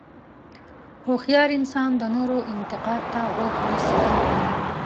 هوښیار انسان د نورو انتقاد ته غوږ نیسي.